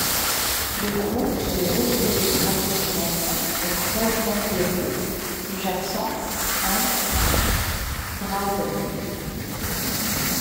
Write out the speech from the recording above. Le groupe se retrouvait traditionnellement au croisement des rues Jackson and Broderick.